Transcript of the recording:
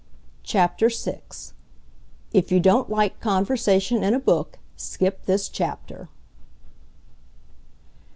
CHAPTER VI IF YOU DON'T LIKE CONVERSATION IN A BOOK SKIP THIS CHAPTER!